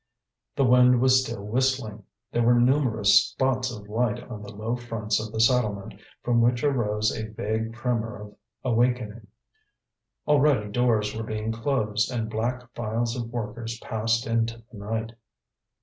The wind was still whistling. There were numerous spots of light on the low fronts of the settlement, from which arose a vague tremor of awakening. Already doors were being closed, and black files of workers passed into the night.